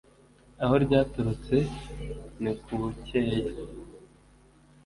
Aho ryaturutse ni ku bukeya